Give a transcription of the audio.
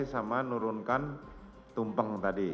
sama nurunkan tumpeng tadi